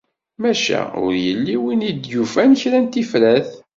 Maca, ur yelli win i d-yufan kra n tifrat.